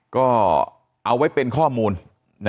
ก็เอาไว้เป็นข้อมูล